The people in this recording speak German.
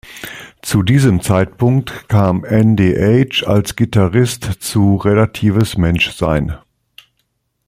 Zu diesem Zeitpunkt kam Andy Age als Gitarrist zu Relatives Menschsein.